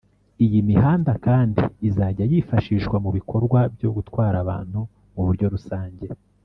Iyi mihanda kandi izajya yifashishwa mu bikorwa byo gutwara abantu mu buryo rusange